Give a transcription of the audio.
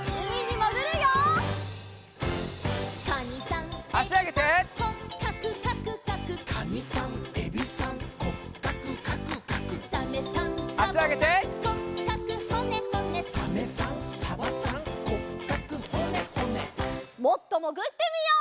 もっともぐってみよう！